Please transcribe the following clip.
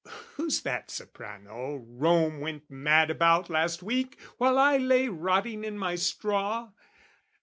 Who's that soprano Rome went mad about Last week while I lay rotting in my straw?